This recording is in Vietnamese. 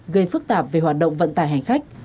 gây phức tạp về hoạt động vận tải hành khách